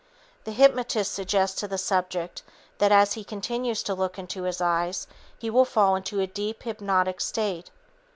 The hypnotist suggests to the subject that as he continues to look into his eyes he will fall into a deep hypnotic state.